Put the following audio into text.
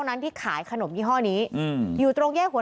และก็คือว่าถึงแม้วันนี้จะพบรอยเท้าเสียแป้งจริงไหม